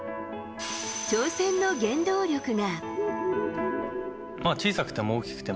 挑戦の原動力が。